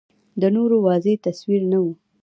د نورو واضح تصویر نه و